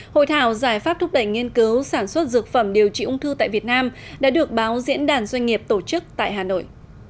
hội thảo giải pháp thúc đẩy nghiên cứu sản xuất dược phẩm điều trị ung thư tại việt nam đã được báo diễn đàn doanh nghiệp tổ chức tại hà nội